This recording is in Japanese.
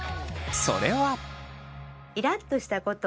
それは。